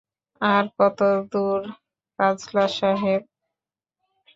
আর কত দূর কাজলা সাহেব?